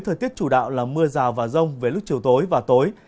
thời tiết chủ đạo là mưa rào và rông với lúc chiều tối và tối